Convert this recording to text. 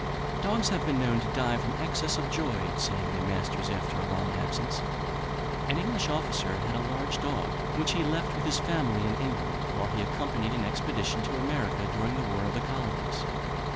Dogs have been known to die from excess of joy at seeing their masters after a long absence. An English officer had a large dog, which he left with his family in England, while he accompanied an expedition to America during the war of the Colonies.